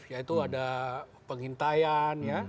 yaitu ada pengintaian